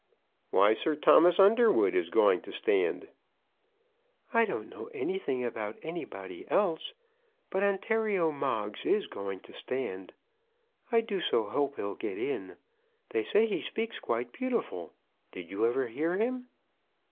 "Why, Sir Thomas Underwood is going to stand." "I don't know anything about anybody else, but Ontario Moggs is going to stand. I do so hope he'll get in. They say he speaks quite beautiful. Did you ever hear him?"